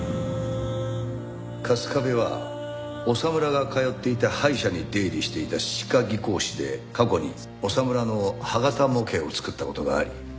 春日部は長村が通っていた歯医者に出入りしていた歯科技工士で過去に長村の歯形模型を作った事があり